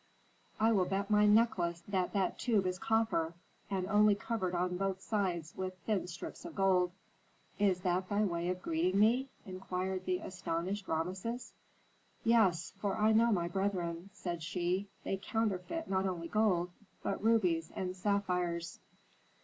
"I will bet my necklace that that tube is copper, and only covered on both sides with thin strips of gold." "Is that thy way of greeting me?" inquired the astonished Rameses. "Yes, for I know my brethren," said she. "They counterfeit not only gold, but rubies and sapphires."